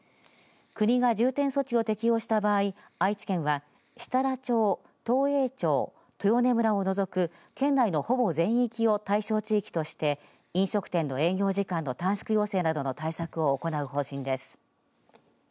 国が重点措置を適用した場合愛知県は設楽町、東栄町豊根村を除く県内のほぼ全域を対象地域として飲食店の営業時間の短縮要請などの対策を行う方針です。